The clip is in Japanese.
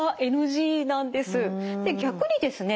逆にですね